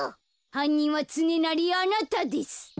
はんにんはつねなりあなたです。